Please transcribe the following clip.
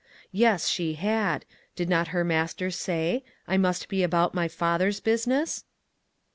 Yes, she had ; did not her Master say :" I must be about my Father's business?